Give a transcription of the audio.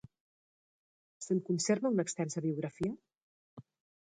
Se'n conserva una extensa biografia?